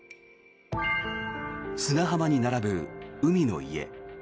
砂浜に並ぶ海の家。